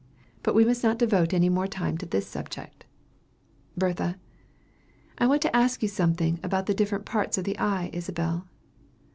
But we must not devote any more time to this subject. Bertha. I want to ask you something about the different parts of the eye, Isabel.